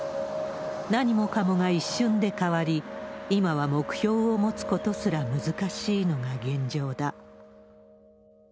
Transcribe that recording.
何もかもが一瞬で変わり、今は目標を持つことすら難しいのが現状だ。